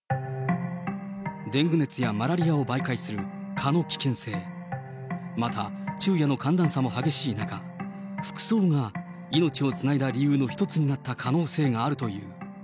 デング熱やマラリアを媒介する蚊の危険性、また、昼夜の寒暖差も激しい中、服装が命をつないだ理由の一つになった可能性があるという。